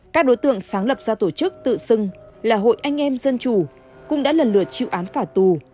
các đối tượng sáng lập ra tổ chức tự xưng là hội anh em dân chủ cũng đã lần lượt chịu án phạt tù